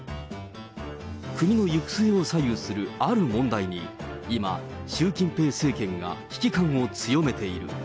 国の行く末を左右するある問題に、今、習近平政権が危機感を強めている。